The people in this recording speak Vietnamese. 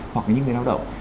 hoặc là những người lao động